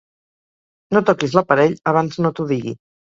No toquis l'aparell abans no t'ho digui.